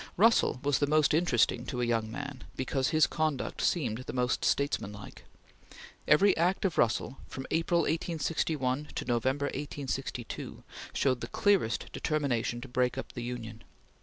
Russell was the most interesting to a young man because his conduct seemed most statesmanlike. Every act of Russell, from April, 1861, to November, 1862, showed the clearest determination to break up the Union.